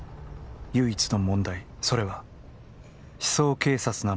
唯一の問題、それは思想警察なのである。